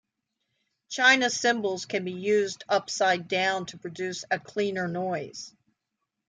China cymbals can be used up-side down to produce a 'cleaner' noise.